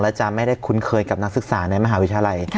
และจะไม่ได้คุ้นเคยกับนักศึกษาในมหาวิทยาลัย